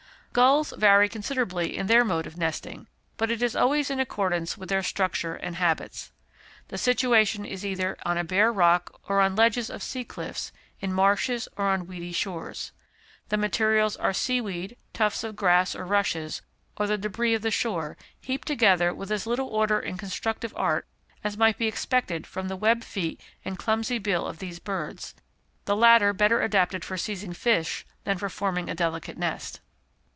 Gulls vary considerably in their mode of nesting, but it is always in accordance with their structure and habits. The situation is either on a bare rock or on ledges of sea cliffs, in marshes or on weedy shores. The materials are sea weed, tufts of grass or rushes, or the débris of the shore, heaped together with as little order and constructive art as might be expected from the webbed feet and clumsy bill of these birds, the latter better adapted for seizing fish than for forming a delicate nest.